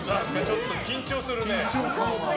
ちょっと緊張するね。